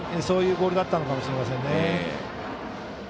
そういうボールだったのかもしれませんね。